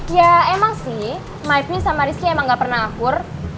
ya emang sih my prince sama rizky emang gak pernah ngakur